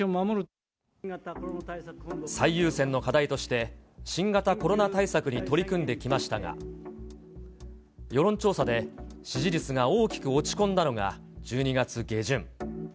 最優先の課題として、新型コロナ対策に取り組んできましたが、世論調査で、支持率が大きく落ち込んだのが１２月下旬。